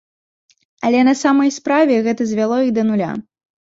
Але на самай справе гэта звяло іх да нуля.